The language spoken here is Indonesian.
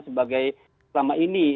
sebagai selama ini